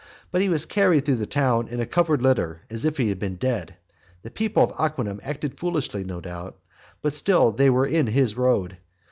But he was carried through the town in a covered litter, as if he had been dead. The people of Aquinum acted foolishly, no doubt; but still they were in his road.